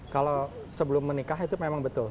kalau sebelum menikah itu memang betul